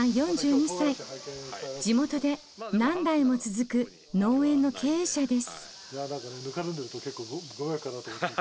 地元で何代も続く農園の経営者です。